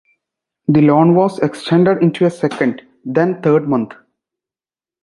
The loan was extended into a second, then third month.